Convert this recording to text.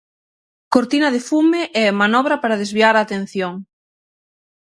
"Cortina de fume" e "manobra para desviar a atención".